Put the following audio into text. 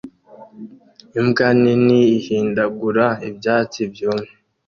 Imbwa nini ihindagura ibyatsi byumye